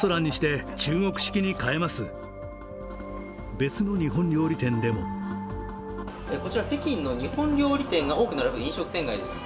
別の日本料理店でもこちら北京の日本料理店が多く並ぶ飲食店街です。